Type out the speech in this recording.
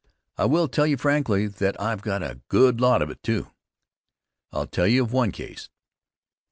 I will tell you frankly that I've got a good lot of it, too. I'll tell you of one case.